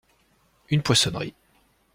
Une poissonnerie.